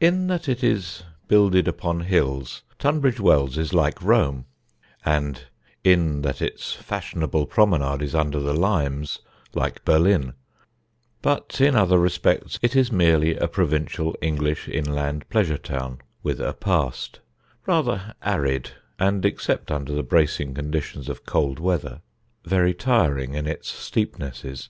In that it is builded upon hills, Tunbridge Wells is like Rome, and in that its fashionable promenade is under the limes, like Berlin; but in other respects it is merely a provincial English inland pleasure town with a past: rather arid, and except under the bracing conditions of cold weather, very tiring in its steepnesses.